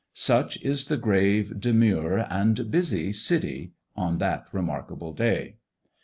Such is the grave, demure, and busy City on that remarkable day.